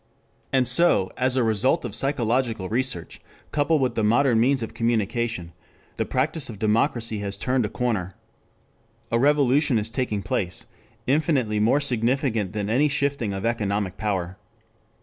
And so, as a result of psychological research, coupled with the modern means of communication, the practice of democracy has turned a corner. A revolution is taking place, infinitely more significant than any shifting of economic power.